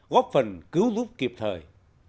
góp phần cứu giúp kịp thời